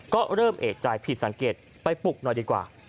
ก็เริ่มเอกใจผิดสังเกตไปปลุกหน่อยดีกว่า